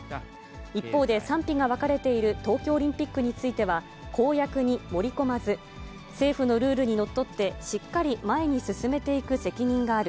一方で賛否が分かれている東京オリンピックについては、公約に盛り込まず、政府のルールにのっとって、しっかり前に進めていく責任がある。